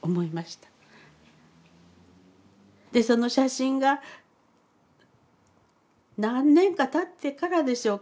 でその写真が何年かたってからでしょうかねえ。